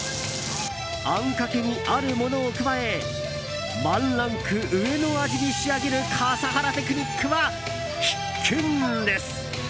あんかけにあるものを加えワンランク上の味に仕上げる笠原テクニックは必見です。